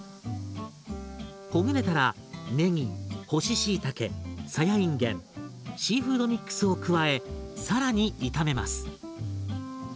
ほぐれたら麺干ししいたけさやいんげんシーフードミックスを加え更に炒めます。